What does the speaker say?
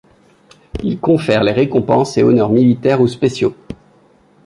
Il confère les récompenses et honneurs militaires ou spéciaux.